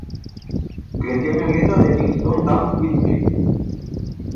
Creció en el ghetto de Kingston Town Whitfield.